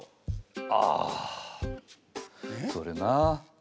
ああそれなあ。